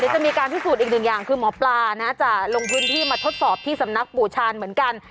จะมีการพิสูจน์อีกหนึ่งอย่างคือหมอปลานะจะลงพื้นที่มาทดสอบที่สำนักปู่ชาญเหมือนกัน